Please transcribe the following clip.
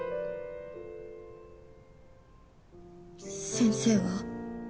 先生は？